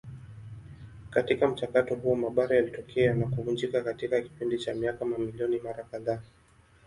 Katika mchakato huo mabara yalitokea na kuvunjika katika kipindi cha miaka mamilioni mara kadhaa.